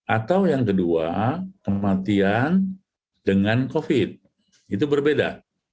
atau yang kedua kematian dengan covid itu berbeda